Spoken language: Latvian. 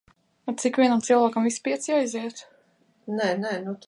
Sākumā viņas bija trīs, bet tagad viņām pievienojās ceturtā māsa.